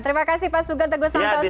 terima kasih pak sugeng teguh santoso